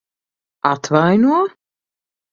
Atvaino?